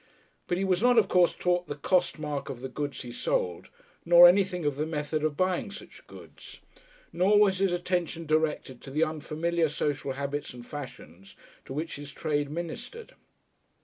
But he was not, of course, taught the "cost" mark of the goods he sold, nor anything of the method of buying such goods. Nor was his attention directed to the unfamiliar social habits and fashions to which his trade ministered.